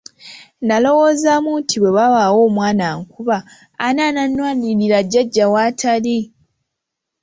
Nalowoozaamu nti bwe wabaawo omwana ankuba ani anannwanirira jjajja w'atali?